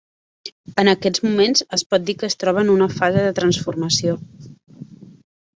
En aquests moments es pot dir que es troba en una fase de transformació.